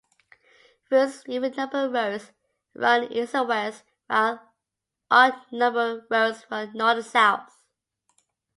Routes: even-numbered roads run east and west, while odd-numbered roads run north and south.